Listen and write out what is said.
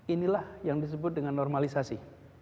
inilah yang disebut dengan normalisasi